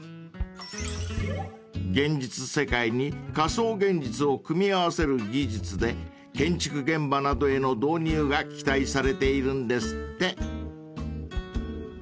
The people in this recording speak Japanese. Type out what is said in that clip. ［現実世界に仮想現実を組み合わせる技術で建築現場などへの導入が期待されているんですって］